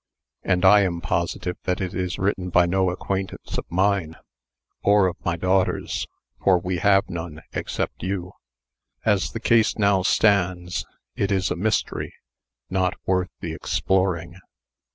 "And I am positive that it is written by no acquaintance of mine, or of my daughter's, for we have none except you. As the case now stands, it is a mystery, not worth the exploring."